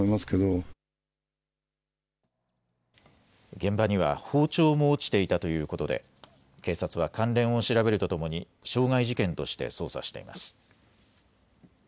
現場には包丁も落ちていたということで警察は関連を調べるとともに傷害事件として捜査しています。